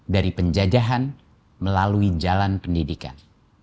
dari penjajahan melalui jalan pendidikan